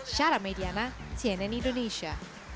syara mediana cnn indonesia